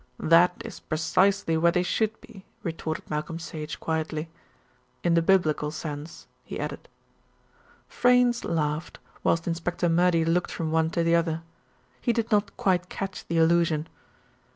"That is precisely where they should be," retorted Malcolm Sage quietly. "In the biblical sense," he added. Freynes laughed, whilst Inspector Murdy looked from one to the other. He did not quite catch the allusion.